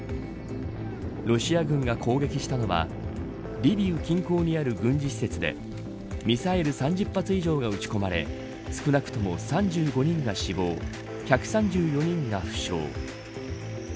ロシア軍が攻撃したのはリビウ近郊にある軍事施設でミサイル３０発以上が撃ち込まれ少なくとも３５人が死亡１３４人が負傷。